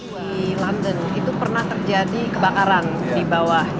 di london itu pernah terjadi kebakaran di bawah